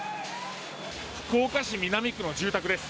福岡市南区の住宅です。